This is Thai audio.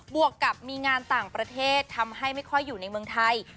วกกับมีงานต่างประเทศทำให้ไม่ค่อยอยู่ในเมืองไทย